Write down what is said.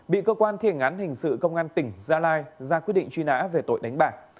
bị cơ quan thi hành án hình sự công an tỉnh gia lai ra quyết định truy nã về tội đánh bạc